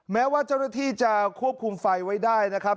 แม้ว่าเจ้าหน้าที่จะควบคุมไฟไว้ได้นะครับ